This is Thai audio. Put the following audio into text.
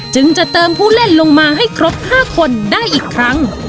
จึงจะเติมผู้เล่นลงมาให้ครบ๕คนได้อีกครั้ง